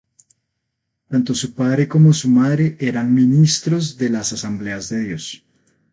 Tanto su padre como su madre eran ministros de las "Asambleas de Dios".